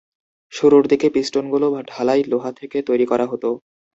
শুরুর দিকে পিস্টন গুলো ঢালাই লোহা থেকে তৈরি করা হতো।